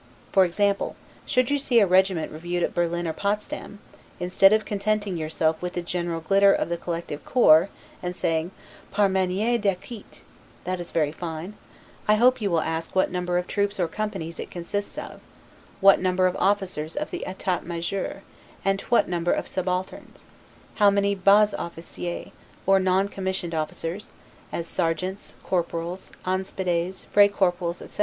For example, should you see a regiment reviewed at Berlin or Potsdam, instead of contenting yourself with the general glitter of the collective corps, and saying, 'par maniere d'acquit', that is very fine, I hope you will ask what number of troops or companies it consists of; what number of officers of the Etat Major, and what number of subalternes; how many 'bas officiers', or non commissioned officers, as sergeants, corporals, 'anspessades, frey corporals', etc.